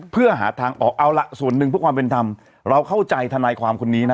เพื่อหาทางออกเอาล่ะส่วนหนึ่งเพื่อความเป็นธรรมเราเข้าใจทนายความคนนี้นะ